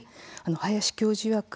林教授いわく